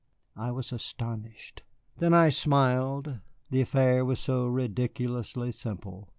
I was astounded. Then I smiled, the affair was so ridiculously simple.